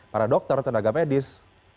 para dokter tenaga medis